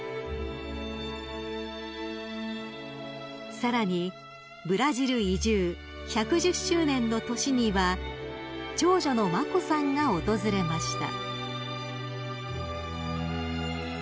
［さらにブラジル移住１１０周年の年には長女の眞子さんが訪れました］